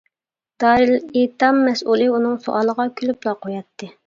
دارىلئېتام مەسئۇلى ئۇنىڭ سوئالىغا كۈلۈپلا قوياتتى.